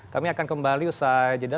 kami akan kembali usai jeda